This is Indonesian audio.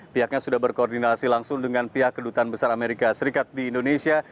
pihaknya sudah berkoordinasi langsung dengan pihak kedutaan besar amerika serikat di indonesia